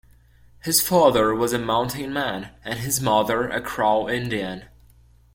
His father was a mountain man and his mother a Crow Indian.